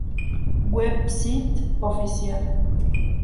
Website oficial